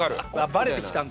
バレてきたんだ。